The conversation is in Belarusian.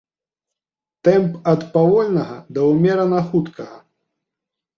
Тэмп ад павольнага да ўмерана хуткага.